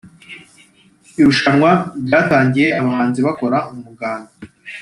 Irushanwa ryatangiye abahanzi bakora umuganda